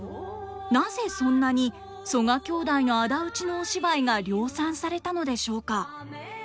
なぜそんなに曽我兄弟の仇討ちのお芝居が量産されたのでしょうか？